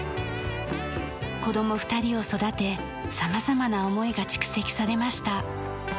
子ども２人を育て様々な思いが蓄積されました。